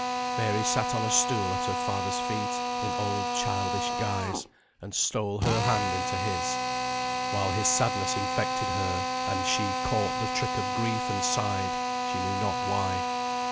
Mary sat on a stool at her father's feet in old childish guise, and stole her hand into his, while his sadness infected her, and she "caught the trick of grief, and sighed," she knew not why.